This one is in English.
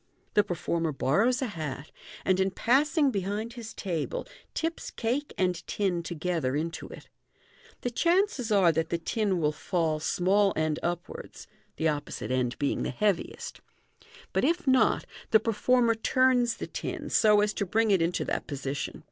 The performer borrows a hat, and in passing behind his table, tips cake and tin together into it. The chances are that the tin will fall small end upwards, (the opposite end being the heaviest) j but if not, the performer turns the tin, so as to bring it into that position.